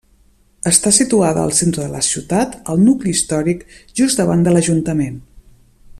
Està situada al centre de la ciutat, al nucli històric, just davant de l'ajuntament.